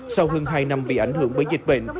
sau hơn hai năm bị ảnh hưởng bởi dịch bệnh